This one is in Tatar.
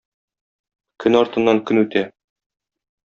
Көн артыннан көн үтә.